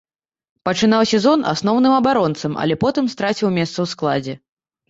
Пачынаў сезон асноўным абаронцам, але потым страціў месца ў складзе.